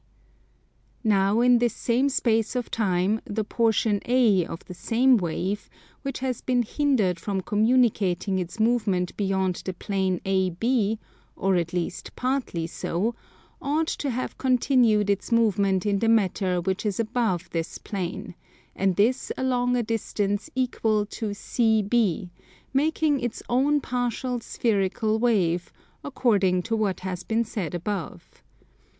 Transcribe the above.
Now in this same space of time the portion A of the same wave, which has been hindered from communicating its movement beyond the plane AB, or at least partly so, ought to have continued its movement in the matter which is above this plane, and this along a distance equal to CB, making its own partial spherical wave, according to what has been said above.